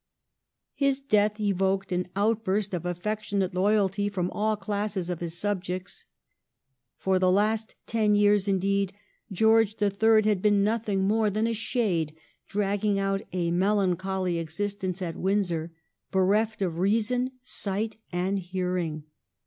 His death evoked an outburst of affectionate loyalty from all classes of his subjects. For the last ten years, indeed, George III. had been nothing more than a shade dragging out a melancholy existence at Windsor, bereft of reason, sight, and hearing.